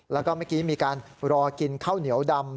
แล้วก็เมื่อกี้มีการรอกินข้าวเหนียวดำ